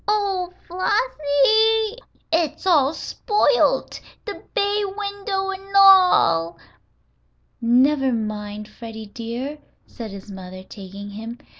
"Oh, Flossie, it's all spoilt! The bay window an' all!" "Never mind, Freddie dear," said his mother, taking him.